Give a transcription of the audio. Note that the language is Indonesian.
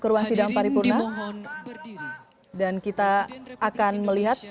ke ruang sidang paripurna berdiri dan kita akan melihat